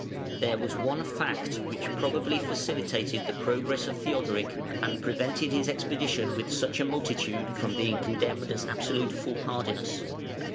There was one fact which probably facilitated the progress of Theodoric, and prevented his expedition with such a multitude from being condemned as absolute foolhardiness.